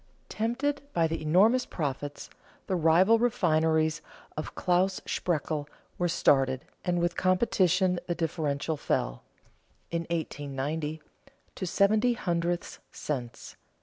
Tempted by the enormous profits, the rival refineries of Claus Spreckel were started, and with competition the differential fell, in 1890, to seventy hundredths cents.